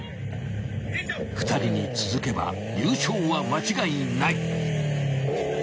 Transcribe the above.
［２人に続けば優勝は間違いない］